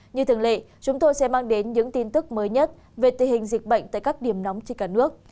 như thường lệ chúng tôi sẽ mang đến những tin tức mới nhất về tình hình dịch bệnh tại các điểm nóng trên cả nước